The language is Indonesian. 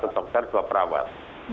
satu dokter dua perawat